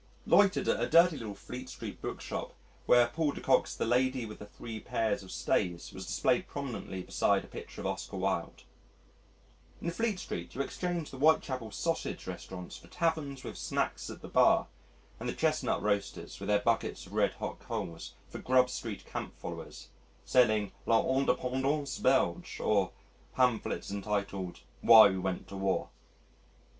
Loitered at a dirty little Fleet Street bookshop where Paul de Koch's The Lady with the Three Pairs of Stays was displayed prominently beside a picture of Oscar Wilde. In Fleet Street, you exchange the Whitechapel sausage restaurants for Taverns with "snacks at the bar," and the chestnut roasters, with their buckets of red hot coals, for Grub Street camp followers, selling L'Indépendance Belge or pamphlets entitled, Why We Went to War.